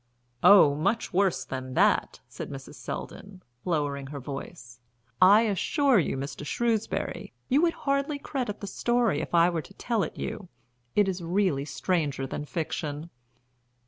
"Oh, much worse than that," said Mrs. Selldon, lowering her voice. "I assure you, Mr. Shrewsbury, you would hardly credit the story if I were to tell it you, it is really stranger than fiction."